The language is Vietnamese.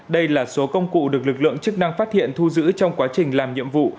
đây là số công cụ được lực lượng chức năng phát hiện thu giữ trong quá trình làm nhiệm vụ